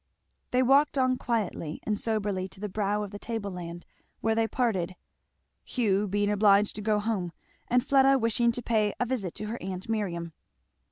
They walked on quietly and soberly to the brow of the tableland, where they parted; Hugh being obliged to go home, and Fleda wishing to pay a visit to her aunt Miriam.